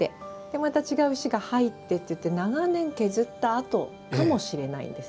また違う石が入っていって長年削った跡かもしれないんです。